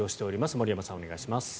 森山さん、お願いします。